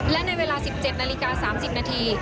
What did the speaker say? และในเวลา๑๗นาฬิกา๓๐นาที